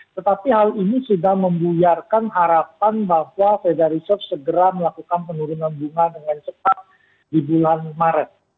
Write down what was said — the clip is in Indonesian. tetapi hal ini sudah membuyarkan harapan bahwa federal reserve segera melakukan penurunan bunga dengan cepat di bulan maret